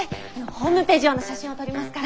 ホームページ用の写真を撮りますから。